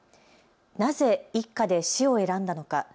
なぜ一家で死を選んだのか。